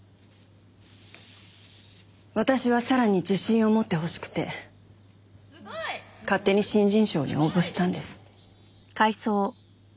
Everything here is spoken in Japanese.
私は咲良に自信を持ってほしくて勝手に新人賞に応募したんです。